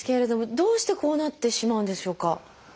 どうしてこうなってしまうんでしょうか？